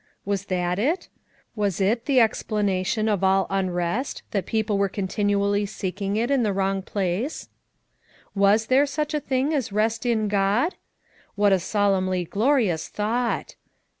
Was that it? Was it the explanation of all unrest that people were continually seeking it in the wrong place? Was there such a thing as rest in God? What a solemnly glorious thought!